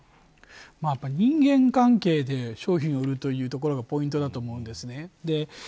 やっぱり人間関係で商品を売るというところがポイントだと思います。